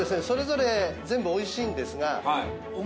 それぞれ全部おいしいんですが。